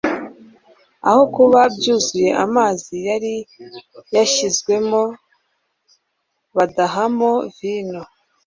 Aho kuba byuzuye amazi yari yashyizwemo, badahamo vino.